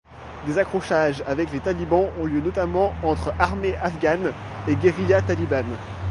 Des accrochages avec les Talibans ont lieu notamment entre armée afghane et guérilla talibane.